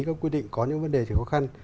các quyết định có những vấn đề thì khó khăn